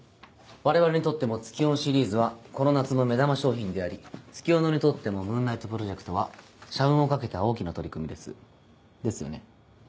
我々にとってもツキヨンシリーズはこの夏の目玉商品であり月夜野にとってもムーンナイトプロジェクトは社運を懸けた大きな取り組みです。ですよね？